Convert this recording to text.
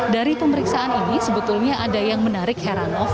dari pemeriksaan ini sebetulnya ada yang menarik heranov